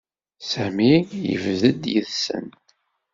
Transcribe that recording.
Sami yebded yid-sen.